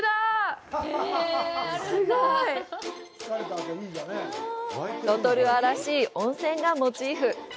すごい！ロトルアらしい温泉がモチーフ。